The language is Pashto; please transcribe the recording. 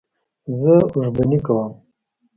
زه اوښبهني کوم.